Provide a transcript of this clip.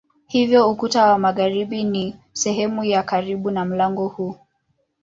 Hivyo ukuta wa magharibi ni sehemu ya karibu na mlango huu.